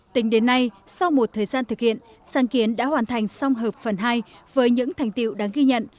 tính đến nay sau một thời gian thực hiện sáng kiến đã hoàn thành xong hợp phần hai với những thành tiệu đáng ghi nhận